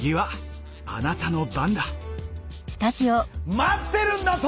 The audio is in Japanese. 待ってるんだと！